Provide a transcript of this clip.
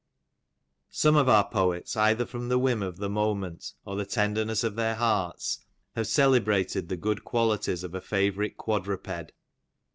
Some of our poets either from the whim of the moment, or the tenderness of their hearts, have celebrated the good qualities of a favourite quadruped.